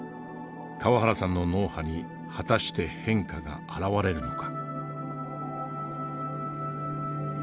川原さんの脳波に果たして変化が現れるのか？